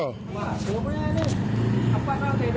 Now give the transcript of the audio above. หา